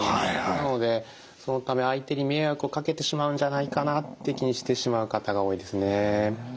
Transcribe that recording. なのでそのため相手に迷惑をかけてしまうんじゃないかなって気にしてしまう方が多いですね。